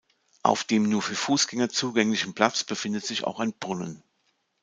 Auf dem nur für Fußgänger zugänglichen Platz befindet sich auch ein Brunnen.